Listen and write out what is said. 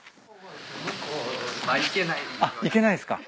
あっ行けないっすか。